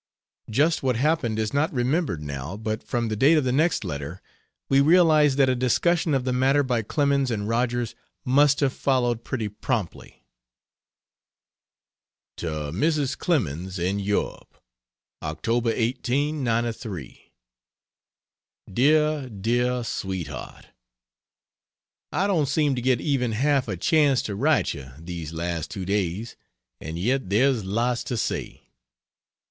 Just what happened is not remembered now, but from the date of the next letter we realize that a discussion of the matter by Clemens and Rogers must have followed pretty promptly. To Mrs. Clemens, in Europe: Oct. 18, '93. DEAR, DEAR SWEETHEART, I don't seem to get even half a chance to write you, these last two days, and yet there's lots to say.